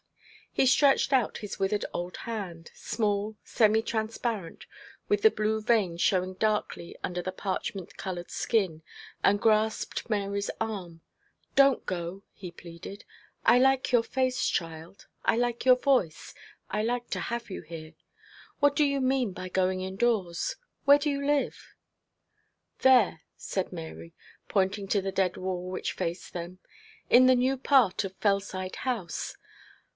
He stretched out his withered old hand, small, semi transparent, with the blue veins showing darkly under the parchment coloured skin, and grasped Mary's arm. 'Don't go,' he pleaded. 'I like your face, child; I like your voice I like to have you here. What do you mean by going indoors? Where do you live?' 'There,' said Mary, pointing to the dead wall which faced them. 'In the new part of Fellside House.